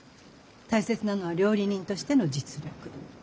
大切なのは料理人としての実力。